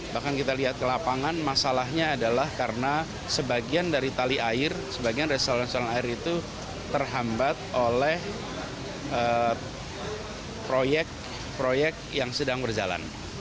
bahkan kita lihat ke lapangan masalahnya adalah karena sebagian dari tali air sebagian dari saluran saluran air itu terhambat oleh proyek proyek yang sedang berjalan